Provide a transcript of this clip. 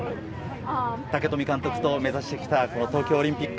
武冨監督と目指してきた東京オリンピック。